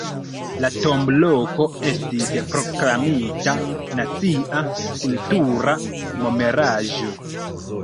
La tombo-loko estis proklamita nacia kultura memoraĵo.